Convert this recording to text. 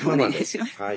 はい。